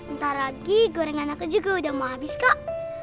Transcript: ntar lagi gorengan aku juga udah mau habis kak